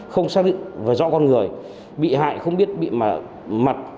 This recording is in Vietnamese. không xác định và rõ con người bị hại không biết bị mặt